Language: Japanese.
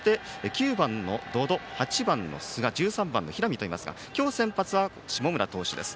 ９番の百々、８番の寿賀１３番の平見といますが今日、先発は下村投手です。